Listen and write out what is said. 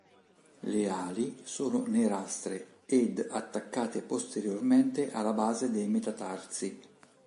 Le ali sono nerastre ed attaccate posteriormente alla base dei metatarsi.